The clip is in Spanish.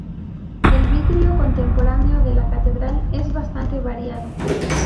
El vidrio contemporáneo de la catedral es bastante variado.